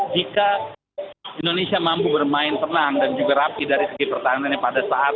jika indonesia mampu bermain tenang dan juga rapi dari segi pertahanannya pada saat